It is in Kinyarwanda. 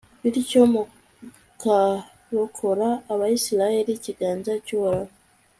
bityo, mukarokora abayisraheli ikiganza cy'uhoraho